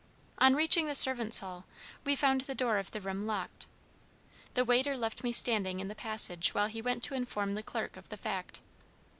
On reaching the servants' hall we found the door of the room locked. The waiter left me standing in the passage while he went to inform the clerk of the fact.